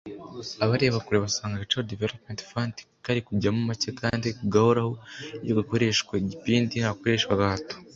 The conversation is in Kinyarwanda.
Abareba kure basanga Agaciro Development Fund kari kujyamo make kandi kagahoraho iyo hakoreshwa igipindi ntihakoreshwe agahato